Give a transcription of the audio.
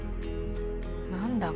何だ？